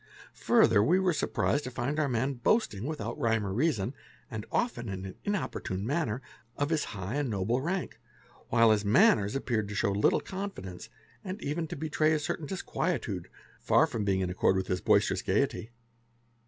Further we were surprised to find our man boasting, without rhyme or reason, and often in an importunate manner, of his high and noble rank, while his manners appeared to show little confidence, and even to betray a certain disquietude, far from being in accord with his boisterous gaiety.